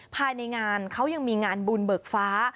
ภายในงานเขายังมีงานบุญเบิกฟ้า